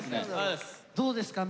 どうですか？